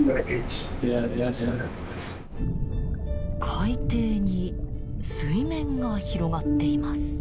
海底に水面が広がっています。